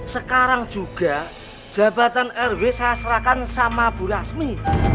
sekarang juga jabatan rw saya serahkan sama bu rasmi